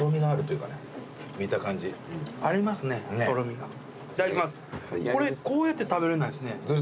これこうやって食べれないですね。